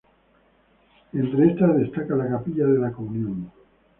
Entre estas destaca la Capilla de la Comunión.